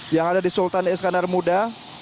yang ada di sultan iskandar muda